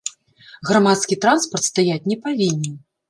Грамадскі транспарт стаяць не павінен.